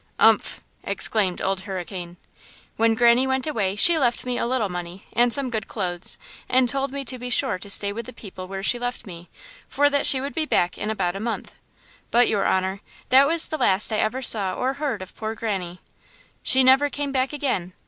"Umph!" exclaimed Old Hurricane. "When Granny went away she left me a little money and some good clothes and told me to be sure to stay with the people where she left me, for that she would be back in about a month. But, your honor, that was the last I ever saw or heard of poor Granny! She never came back again.